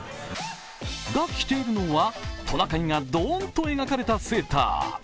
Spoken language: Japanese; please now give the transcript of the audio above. が、着ているのはトナカイがドーンと描かれたセーター。